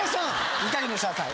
いいかげんにしなさい。